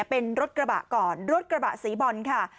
เป็นรถกระบะก่อนรถกระบะสีบอลค่ะ